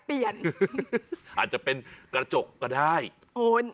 สุดยอดน้ำมันเครื่องจากญี่ปุ่น